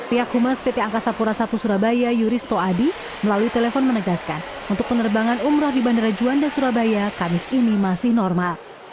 pihak humas pt angkasa pura i surabaya yuristo adi melalui telepon menegaskan untuk penerbangan umroh di bandara juanda surabaya kamis ini masih normal